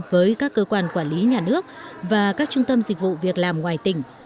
với các cơ quan quản lý nhà nước và các trung tâm dịch vụ việc làm ngoài tỉnh